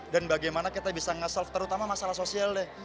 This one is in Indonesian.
dan bagaimana kita bisa nge solve terutama masalah sosial deh